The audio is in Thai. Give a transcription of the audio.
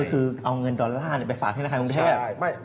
ก็คือเอาเงินดอลลาร์ไปฝากที่ทางคางเทพฯ